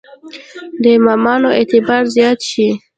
د امامانو اعتبار زیات شي.